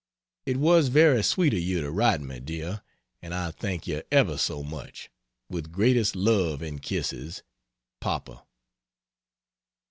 It was very sweet of you to write me, dear, and I thank you ever so much. With greatest love and kisses, PAPA.